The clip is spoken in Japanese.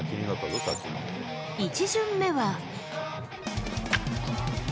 １巡目は。